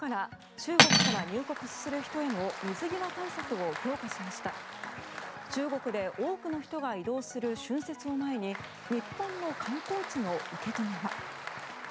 中国で多くの人が移動する春節を前に日本の観光地の受け止めは。